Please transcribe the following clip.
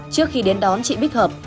trước khi đến đón chị bích hợp